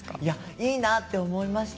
いいなと思いました。